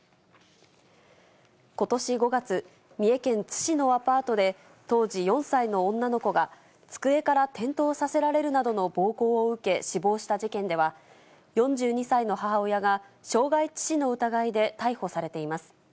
ことし５月、三重県津市のアパートで、当時４歳の女の子が机から転倒させられるなどの暴行を受け、死亡した事件では、４２歳の母親が傷害致死の疑いで逮捕されています。